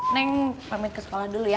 neng pamit ke sekolah dulu ya